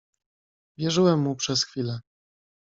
"Wierzyłem mu przez chwilę."